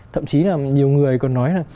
thậm chí là nhiều người còn nói là